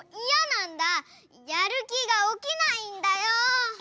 やるきがおきないんだよ！